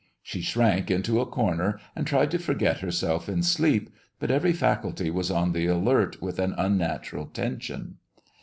She shrank into a corner and tried to forget herself in sleep, but every faculty was on the alert with an unnatural tension.